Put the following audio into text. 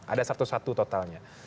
ada satu satu totalnya